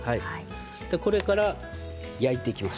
これから焼いていきます。